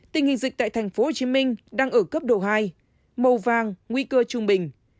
tình hình dịch tại tp hcm đang ở cấp độ hai màu vàng nguy cơ trung bình